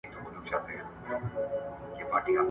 فعال پاتې کېدل د غوړو زېرمه کول ګرانوي.